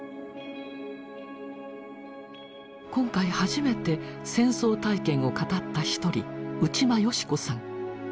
今回初めて戦争体験を語った一人内間好子さん。